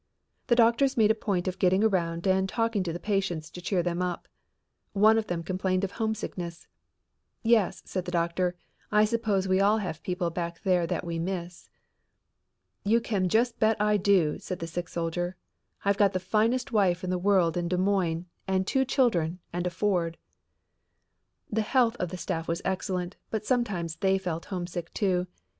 The doctors made a point of getting around and talking to the patients to cheer them up. One of them complained of homesickness. "Yes," said the doctor, "I suppose we all have people back there that we miss." "You can just bet I do," said the sick soldier, "I've got the finest wife in the world in Des Moines and two children and a Ford." The health of the staff was excellent, but sometimes they felt homesick, too.